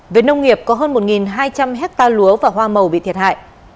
về nông nghiệp có hơn một hai trăm linh hectare lúa và hoa màu bị thiệt hại